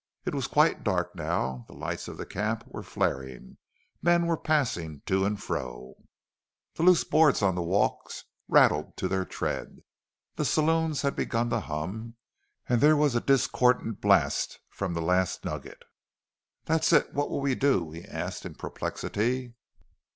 It was quite dark now. The lights of the camp were flaring; men were passing to and fro; the loose boards on the walks rattled to their tread; the saloons had begun to hum; and there was a discordant blast from the Last Nugget. "That's it what'll we do?" he asked in perplexity.